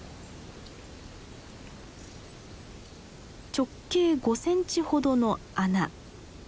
直径５センチほどの穴。